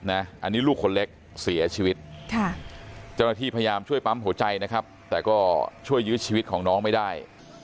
อันนี้ลูกคนเล็กเสียชีวิตเจ้าหน้าที่พยายามช่วยปั๊มหัวใจนะครับแต่ก็ช่วยยื้อชีวิตของน้องไม่ได้